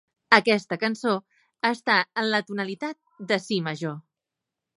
Aquesta cançó està en la tonalitat de si major.